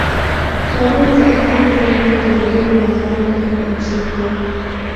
کابل د افغان کورنیو د دودونو یو خورا مهم عنصر دی.